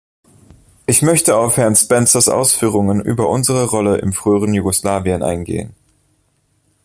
Ich möchte auf Herrn Spencers Ausführungen über unsere Rolle im früheren Jugoslawien eingehen.